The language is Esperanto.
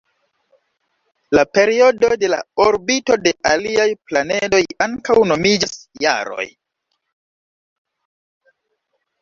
La periodoj de la orbito de aliaj planedoj ankaŭ nomiĝas jaroj.